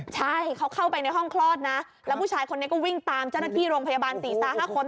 ใช่เขาเข้าไปในห้องคลอดนะแล้วผู้ชายคนนี้ก็วิ่งตามเจ้าหน้าที่โรงพยาบาล๔๕คน